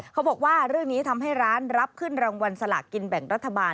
เขาบอกว่าเรื่องนี้ทำให้ร้านรับขึ้นรางวัลสลากกินแบ่งรัฐบาล